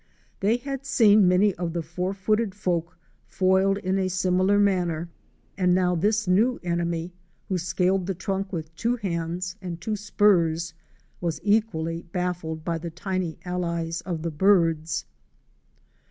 They had seen many of the four handed folk foiled in a similar manner, and now this new enemy, who scaled the trunk with two hands and two spurs was equally baffled by the tiny allies of the birds!